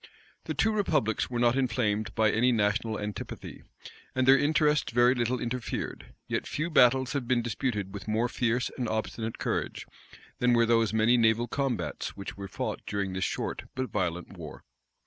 The two republics were not inflamed by any national antipathy, and their interests very little interfered: yet few battles have been disputed with more fierce and obstinate courage, than were those many naval combats which were fought during this short but violent war.